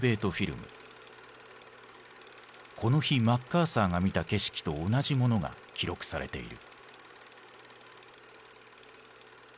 この日マッカーサーが見た景色と同じものが記録されている。